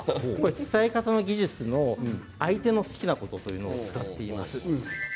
伝え方の技術の相手の好きなことというのを使っています。